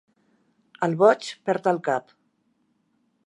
El boig perd el cap.